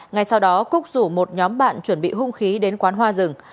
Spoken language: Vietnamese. ngay sau đó cúc rủ một nhóm bạn chuẩn bị hung khí đến quán hoa rừng